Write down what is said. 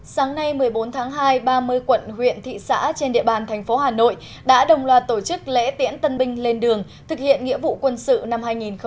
sáng nay một mươi bốn tháng hai ba mươi quận huyện thị xã trên địa bàn thành phố hà nội đã đồng loạt tổ chức lễ tiễn tân binh lên đường thực hiện nghĩa vụ quân sự năm hai nghìn hai mươi